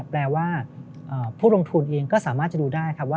แปลว่าผู้ลงทุนเองก็สามารถจะรู้ได้